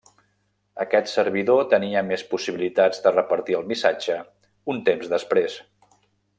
Aquest servidor tenia més possibilitats de repartir el missatge un temps després.